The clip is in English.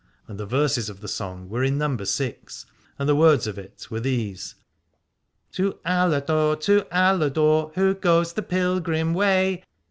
And the verses of the song were in number six, and the words of it were these — To Aladore, to Aladore, Who goes the pilgrim way